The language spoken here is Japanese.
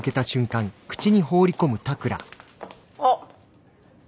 あっ。